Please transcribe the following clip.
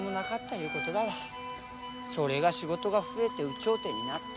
それが仕事が増えて有頂天になって。